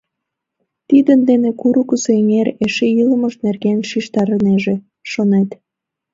Тидын дене курыкысо эҥер эше илымыж нерген шижтарынеже, шонет.